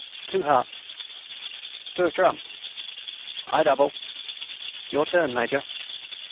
"Two hearts." "Two no trumps." "I double." "Your turn, Major."